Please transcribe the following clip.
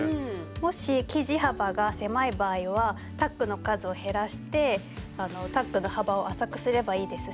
もし生地幅が狭い場合はタックの数を減らしてタックの幅を浅くすればいいですし。